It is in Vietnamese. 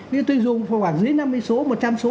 nhưng tôi dùng khoảng dưới năm mươi số một trăm linh số